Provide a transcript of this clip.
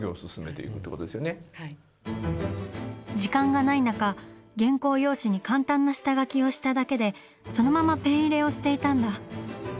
時間がない中原稿用紙に簡単な下描きをしただけでそのままペン入れをしていたんだ。